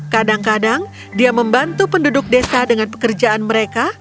kadang kadang dia membantu penduduk desa dengan pekerjaan mereka